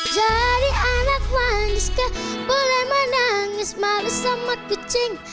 jadi anak mandis kebole menangis malu sama kucing